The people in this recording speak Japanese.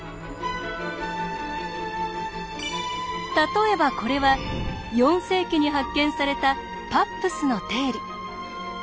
例えばこれは４世紀に発見された「パップスの定理」。